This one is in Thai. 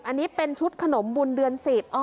อันนี้เป็นชุดขนมบุญเดือน๑๐